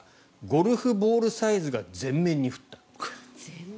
ゴルフボールサイズが全面に降ったと。